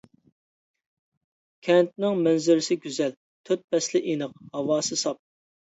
كەنتنىڭ مەنزىرىسى گۈزەل، تۆت پەسلى ئېنىق، ھاۋاسى ساپ.